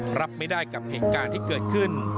รับไม่ได้กับเหตุการณ์ที่เกิดขึ้น